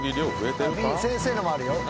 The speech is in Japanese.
先生のもあるよ。